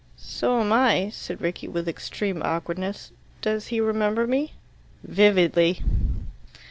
"So am I," said Rickie with extreme awkwardness. "Does he remember me?" "Vividly."